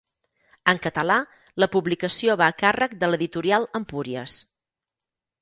En català, la publicació va a càrrec de l'Editorial Empúries.